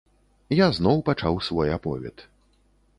Я зноў пачаў свой аповед.